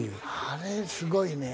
あれすごいね。